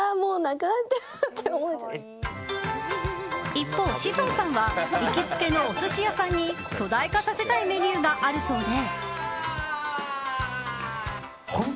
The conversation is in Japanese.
一方、志尊さんは行きつけのお寿司屋さんに巨大化させたいメニューがあるそうで。